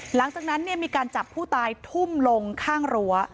หลังจากนั้นมีการจับผู้ตายทุ่มลงข้างรั้ว